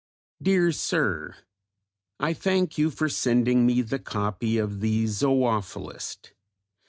DEAR SIR, I thank you for sending me the copy of The Zoophilist.